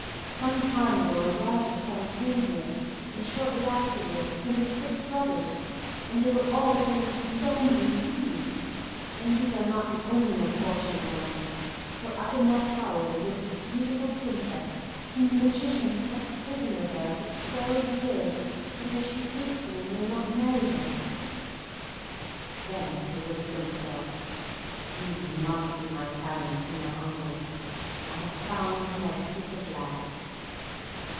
Some time ago a Raja's son came here, and shortly afterward came his six brothers, and they were all turned into stones and trees; and these are not the only unfortunate ones, for up in that tower lives a beautiful Princess, whom the Magician has kept prisoner there for twelve years, because she hates him and will not marry him." Then the little Prince thought, "These must be my parents and my uncles. I have found what I seek at last."